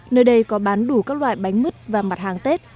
nơi đây có bán đủ các loại bánh mứt và mặt hàng tết